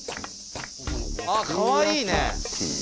あっかわいいね。